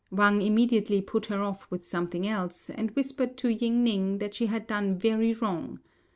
Wang immediately put her off with something else, and whispered to Ying ning that she had done very wrong.